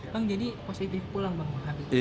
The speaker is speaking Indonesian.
bang jadi positif pulang bang habib